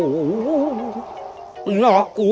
มึงหลอกกู